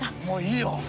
もういいよ！